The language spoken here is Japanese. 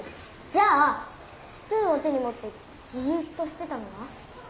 じゃあスプーンを手に持ってじっとしてたのは？